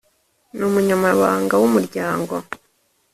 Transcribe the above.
N umunyamabanga w umuryango